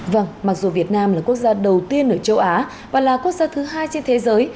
vâng mặc dù việt nam là quốc gia đầu tiên ở châu á và là quốc gia thứ hai trên thế giới